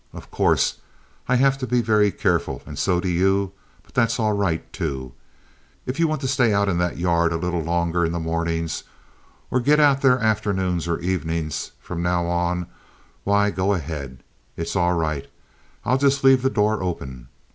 Of course I have to be very careful, and so do you, but that's all right, too. If you want to stay out in that yard a little longer in the mornings or get out there afternoons or evenings, from now on, why, go ahead. It's all right. I'll just leave the door open.